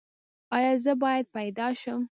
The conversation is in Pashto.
ایا زه باید پیدا شم؟